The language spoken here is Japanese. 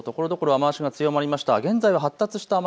雨雲が強まりました。